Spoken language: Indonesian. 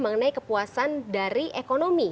mengenai kepuasan dari ekonomi